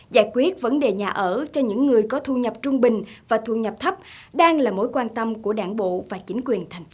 giải quyết vấn đề nhà ở cho những người có thu nhập trung bình và thu nhập thấp đang là mối quan tâm của đảng bộ và chính quyền thành phố